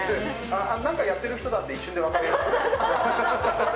何かやってる人だって一瞬で分かる。